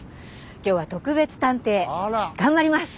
今日は特別探偵頑張ります！